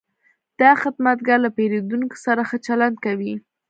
دا خدمتګر له پیرودونکو سره ښه چلند کوي.